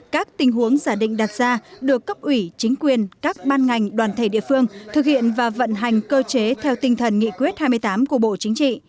các tình huống giả định đặt ra được cấp ủy chính quyền các ban ngành đoàn thể địa phương thực hiện và vận hành cơ chế theo tinh thần nghị quyết hai mươi tám của bộ chính trị